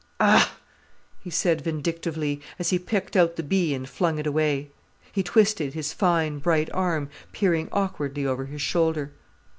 "Ah!" he said vindictively, as he picked out the bee and flung it away. He twisted his fine, bright arm, peering awkwardly over his shoulder.